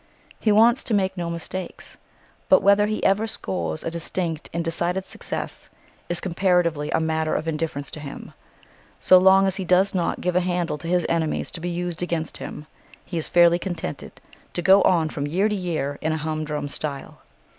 He wants to make no mistakes, but whether he ever scores a distinct and decided success is comparatively a matter of indifference to him. So long as he does not give a handle to his enemies to be used against him, he is fairly contented to go on from year to year in a humdrum style.